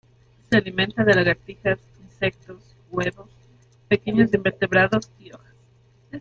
Se alimenta de lagartijas, insectos, huevos, pequeños invertebrados y hojas.